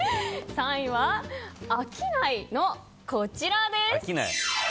３位は、飽きないのこちらです。